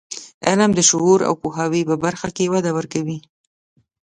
علم د شعور او پوهاوي په برخه کې وده ورکوي.